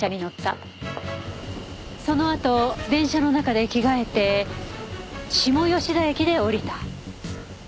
そのあと電車の中で着替えて下吉田駅で降りた。